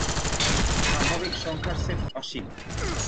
স্বাভাবিক সংখ্যার সেট অসীম।